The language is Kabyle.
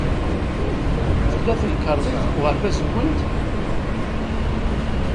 Tella temkarḍit deg uɣerbaz-nwent?